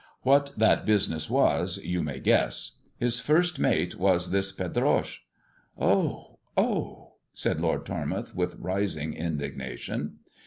What that business was you may guess. His first mate was this Pedroche." " Oh ! oh !" said Lord Tormouth, with rising indignation.